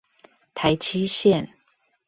台七線